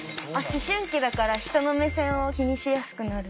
思春期だから人の目線を気にしやすくなる。